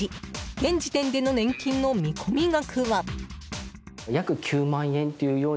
現時点での年金の見込み額は。